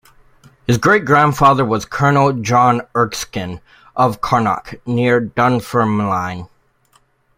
His great-grandfather was Colonel John Erskine of Carnock, near Dunfermline.